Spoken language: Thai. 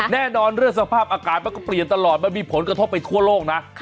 แน่นอนเรื่องสภาพอากาศมันก็เปลี่ยนตลอดมันมีผลกระทบไปทั่วโลกนะ